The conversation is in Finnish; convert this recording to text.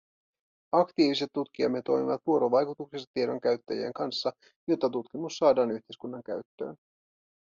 Aktiiviset tutkijamme toimivat vuorovaikutuksessa tiedon käyttäjien kanssa, jotta tutkimus saadaan yhteiskunnan käyttöön.